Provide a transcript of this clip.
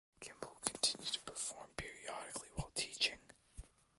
Kimball continued to perform periodically while teaching.